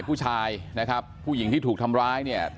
แม่ขี้หมาเนี่ยเธอดีเนี่ยเธอดีเนี่ยเธอดีเนี่ย